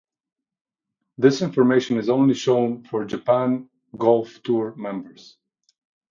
This information is only shown for Japan Golf Tour members.